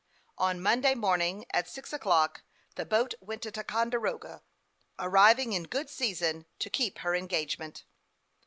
On Monday morning, at six o'clock, the boat went to Ticonderoga, arriv ing in good season to keep her engagement.